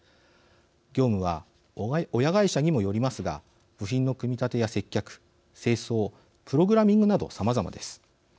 業務は親会社にもよりますが部品の組み立てや接客清掃、プログラミングなどさまざまです。